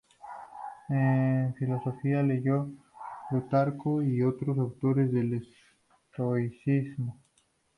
En filosofía leyó a Plutarco y otros autores del estoicismo.